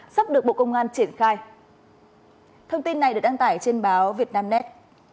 sắp được bộ công an triển khai thông tin này được đăng tải trên báo vietnamnet